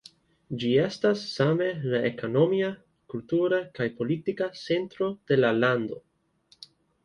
Ĝi estas same la ekonomia, kultura kaj politika centro de la lando.